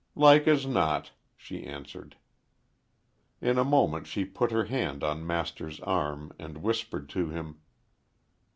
"Like as not," she answered. In a moment she put her hand on Master's arm and whispered to him.